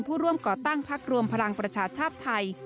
ผู้ร่วมก่อตั้งพักรวมพลังประชาชาติไทย